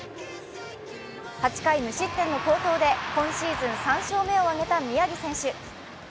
８回無失点の好投で今シーズン３勝目を挙げた宮城選手。